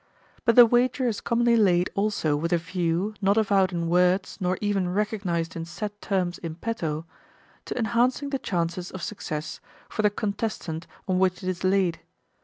But the wager is commonly laid also with a view, not avowed in words nor even recognized in set terms in petto, to enhancing the chances of success for the contestant on which it is laid.